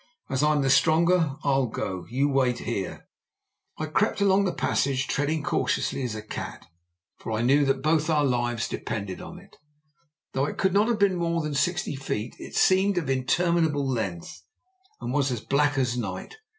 As I'm the stronger, I'll go. You wait here." I crept along the passage, treading cautiously as a cat, for I knew that both our lives depended on it. Though it could not have been more than sixty feet, it seemed of interminable length, and was as black as night.